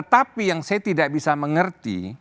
tapi yang saya tidak bisa mengerti